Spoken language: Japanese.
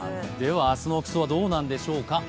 明日の服装はどうなんでしょうか？